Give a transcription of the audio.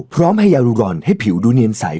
พร้อมให้ยารูรอนให้ผิวดูเนียนใส